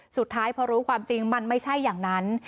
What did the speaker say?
สุดท้ายพอรู้ความจริงมันไม่ใช่อย่างนั้น